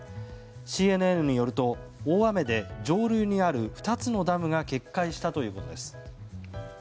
ＣＮＮによると大雨で上流にある２つのダムが決壊したということです。